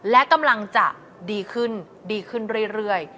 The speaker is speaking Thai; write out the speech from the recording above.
และกำลังจะดีขึ้นดีขึ้นเรื่อย